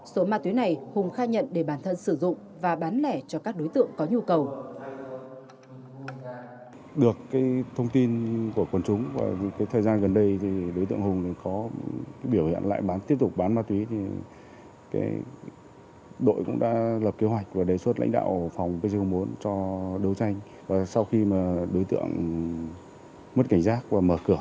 số ma túy này hùng khai nhận để bản thân sử dụng và bán lẻ cho các đối tượng có nhu cầu